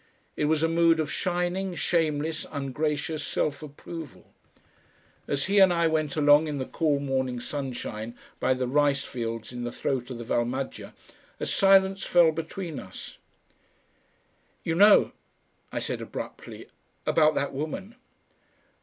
It was a mood of shining shameless ungracious self approval. As he and I went along in the cool morning sunshine by the rice fields in the throat of the Val Maggia a silence fell between us. "You know?" I said abruptly, "about that woman?"